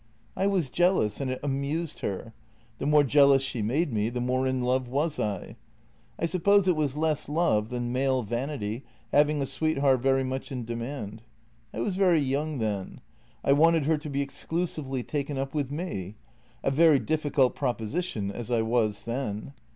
" I was jealous, and it amused her. The more jealous she made me, the more in love was I. I suppose it was less love than male vanity, having a sweetheart very much in demand. I was very young then. I wanted her to be exclusively taken up with me — a very difficult proposition as I was then.